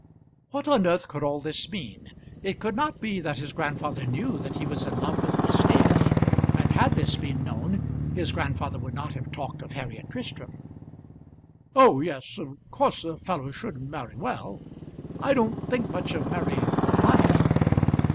What on earth could all this mean? It could not be that his grandfather knew that he was in love with Miss Staveley; and had this been known his grandfather would not have talked of Harriet Tristram. "Oh yes; of course a fellow should marry well. I don't think much of marrying for money."